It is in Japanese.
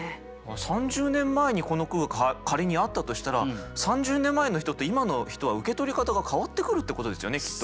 ３０年前にこの句が仮にあったとしたら３０年前の人と今の人は受け取り方が変わってくるってことですよねきっと。